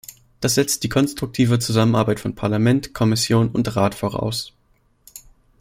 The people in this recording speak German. Das setzt die konstruktive Zusammenarbeit von Parlament, Kommission und Rat voraus.